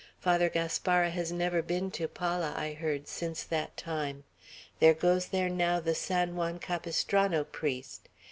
Father Gaspara has never been to Pala, I heard, since that time. There goes there now the San Juan Capistrano priest.